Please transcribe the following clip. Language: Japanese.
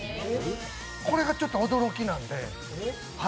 これがちょっと驚きなんで。